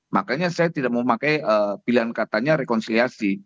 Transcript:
makanya saya tidak memakai pilihan katanya rekonsiliasi